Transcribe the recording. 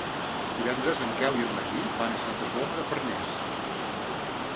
Divendres en Quel i en Magí van a Santa Coloma de Farners.